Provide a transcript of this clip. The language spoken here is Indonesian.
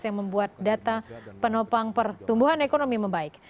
yang membuat data penopang pertumbuhan ekonomi membaik